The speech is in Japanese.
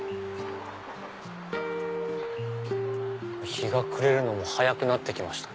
日が暮れるのも早くなってきましたね。